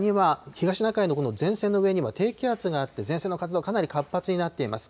東シナ海のこの前線の上には、低気圧があって、前線の活動がかなり活発になっています。